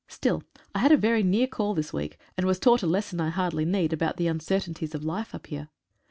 Still, I had a very near call this week, and was taught a lesson, I hardly need, about the uncertain ties of life up here.